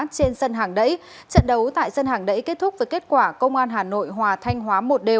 trên sân hàng đẫy trận đấu tại sân hàng đẫy kết thúc với kết quả công an hà nội hòa thanh hóa một một